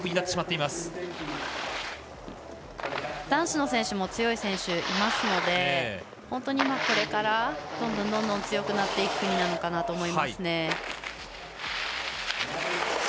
男子の選手も強い選手がいますので本当にこれからどんどん強くなっていく国かなと思います。